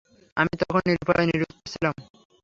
আমি তখন নিরুপায় নিরুত্তর ছিলাম।